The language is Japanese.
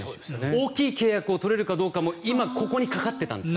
大きい契約を取れるかどうかも今ここにかかってたんです。